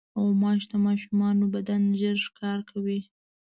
غوماشې د ماشومانو بدن ژر ښکار کوي.